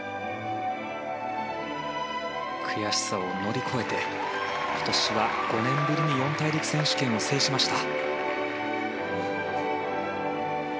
悔しさを乗り越えて今年は５年ぶりに四大陸選手権を制しました。